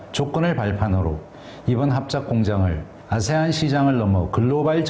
terima kasih